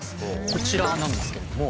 こちらなんですけれども。